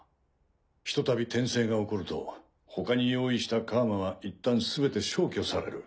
ひとたび転生が起こると他に用意した楔はいったんすべて消去される。